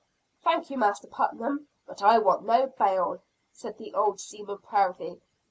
"Thank you, Master Putnam, but I want no bail," said the old seaman proudly.